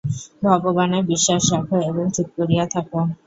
ভগবানে বিশ্বাস রাখো এবং চুপ করিয়া থাক।